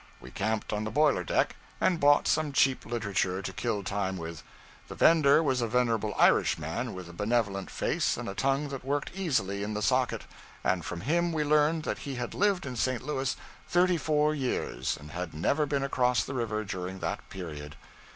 We camped on the boiler deck, and bought some cheap literature to kill time with. The vender was a venerable Irishman with a benevolent face and a tongue that worked easily in the socket, and from him we learned that he had lived in St. Louis thirty four years and had never been across the river during that period.